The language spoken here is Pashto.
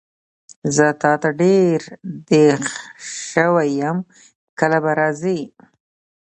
زه تاته ډېر دیغ سوی یم کله به راځي؟